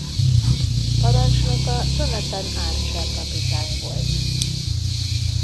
Parancsnoka Jonathan Archer kapitány volt.